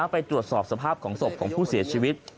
ไปตรวจสอบสภาพของศพของผู้เสียชีวิต